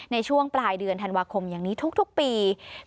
ในช่วงปลายเดือนธันวาคมอย่างนี้ทุกปี